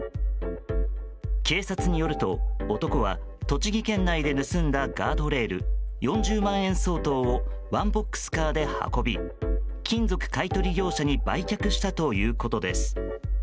警察によると男は栃木県内で盗んだガードレール４０万円相当をワンボックスカーで運び金属買い取り業者に売却したということです。